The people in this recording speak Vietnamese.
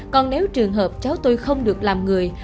còn nếu trường hợp cháu tôi không được làm người